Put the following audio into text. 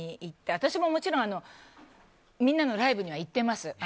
私も、もちろんみんなのライブには行ってます。